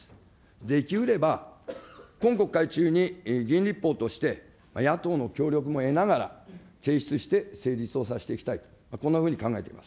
できうれば、今国会中に、議員立法として、野党の協力も得ながら提出して成立をさせていきたい、こんなふうに考えております。